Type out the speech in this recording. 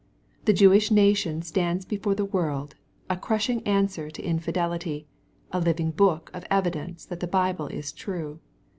The Jewish nation stands before the world, a crushing answer to infidelity, and a living book of evidence that the Bible is true.